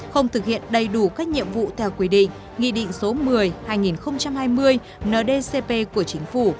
không thực hiện đầy đủ các nhiệm vụ theo quy định nghị định số một mươi hai nghìn hai mươi ndcp của chính phủ